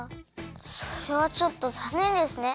それはちょっとざんねんですね。